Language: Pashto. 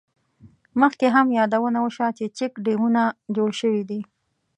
مخکې هم یادونه وشوه، چې چیک ډیمونه جوړ شوي دي.